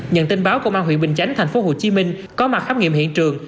nhận tin báo công an huyện bình chánh tp hcm có mặt khám nghiệm hiện trường